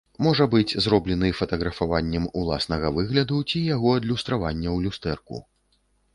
Можа быць зроблены фатаграфаваннем уласнага выгляду ці яго адлюстравання ў люстэрку.